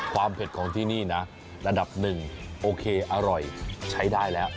ความเผ็ดของที่นี่นะระดับ๑โอเคอร่อยใช้ได้แล้ว